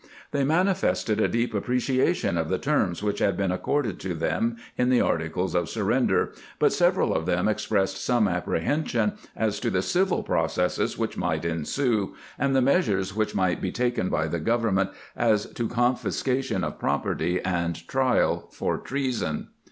They manifested a deep appreciation of the terms which had been accorded to them in the articles of surrender, but several of them expressed some apprehension as to the civil processes which might ensue, and the measures which might be taken by the government as to confis cation of property and trial for treason.